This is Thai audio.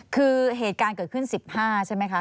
คือเหตุการณ์เกิดขึ้น๑๕ใช่ไหมคะ